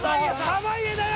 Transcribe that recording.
濱家だよ。